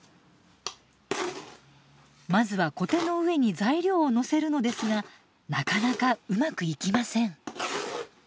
まずはコテの上に材料をのせるのですがなかなかうまくいきません。